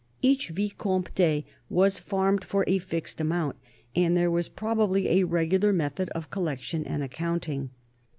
Each vicomte was farmed for a fixed amount, and there was probably a regular method of collection and accounting.